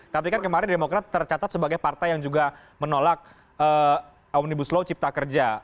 tapi kan kemarin demokrat tercatat sebagai partai yang juga menolak omnibus law cipta kerja